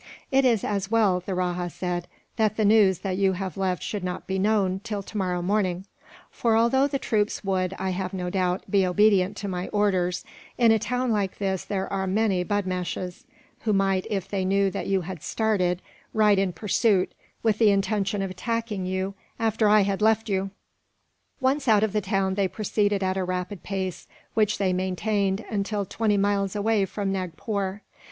"It is as well," the rajah said, "that the news that you have left should not be known till tomorrow morning; for although the troops would, I have no doubt, be obedient to my orders, in a town like this there are many budmashes; who might, if they knew that you had started, ride in pursuit, with the intention of attacking you after I had left you." Once out of the town they proceeded at a rapid pace, which they maintained until twenty miles away from Nagpore.